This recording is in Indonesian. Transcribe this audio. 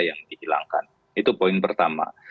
yang dihilangkan itu poin pertama